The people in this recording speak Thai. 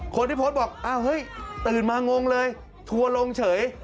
คนที่โพสต์บอกตื่นมางงเลยถั่วลงเฉย